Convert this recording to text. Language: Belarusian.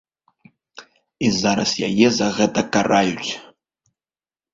І зараз яе за гэта караюць.